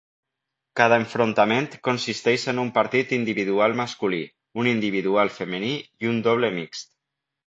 Cada enfrontament consisteix en un partit individual masculí, un individual femení i un doble mixt.